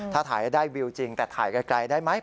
ถ้าถ่ายได้วิวจริงแต่ถ่ายไกลได้ไหม